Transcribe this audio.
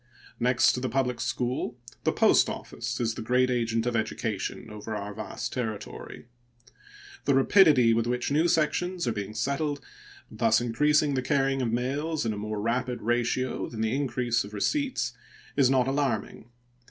Next to the public school, the post office is the great agent of education over our vast territory. The rapidity with which new sections are being settled, thus increasing the carrying of mails in a more rapid ratio than the increase of receipts, is not alarming.